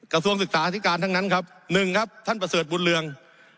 กระทรวงศึกษาธิการทั้งนั้นครับ๑ครับท่านประเสริฐบุญเรือง